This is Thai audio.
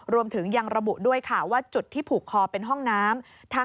รวมถึงยังระบุด้วยค่ะว่าจุดที่ผูกคอเป็นห้องน้ำ